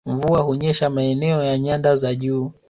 Mvua hunyesha maeneo ya nyanda za juu